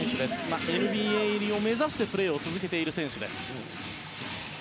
ＮＢＡ入りを目指してプレーを続けている選手です。